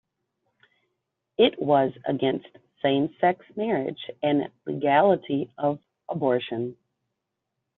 It was against same-sex marriage and legality of abortion.